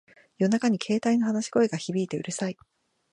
夜中に携帯の話し声が響いてうるさい